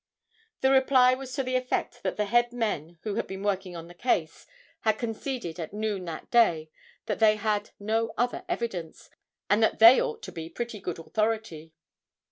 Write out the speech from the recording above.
The reply was to the effect that the head men who had been working on the case, had conceded at noon that day, that they had no other evidence, and that they ought to be pretty good authority.